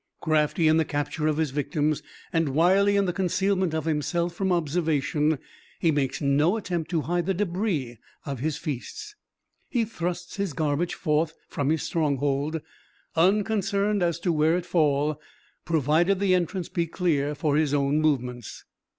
Crafty in the capture of his victims, and wily in the concealment of himself from observation, he makes no attempt to hide the débris of his feasts. He thrusts his garbage forth from his stronghold, unconcerned as to where it fall, provided the entrance be clear for his own movements.